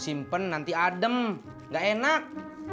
simpen nanti adem gak enak